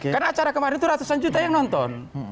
karena acara kemarin itu ratusan juta yang nonton